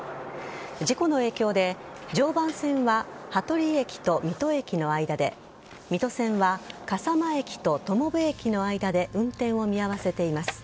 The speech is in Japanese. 事故の影響で常磐線は羽鳥駅と水戸駅の間で水戸線は笠間駅と友部駅の間で運転を見合わせています。